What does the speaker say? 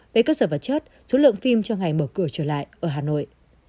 về cơ sở vật chất số lượng phim cho ngày mở cửa trở lại ở hà nội